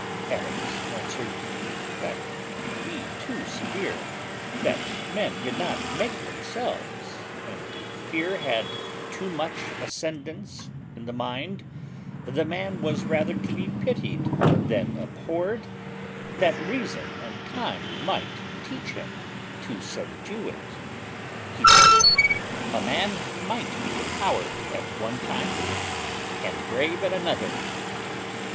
Adams answered, "That would be too severe; that men did not make themselves; and if fear had too much ascendance in the mind, the man was rather to be pitied than abhorred; that reason and time might teach him to subdue it." He said, "A man might be a coward at one time, and brave at another.